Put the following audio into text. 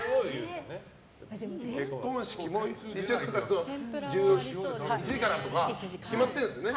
結婚式ちゃんと１時からとか決まっているんですよね。